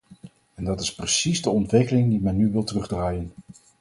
En dat is precies de ontwikkeling die men nu wil terugdraaien.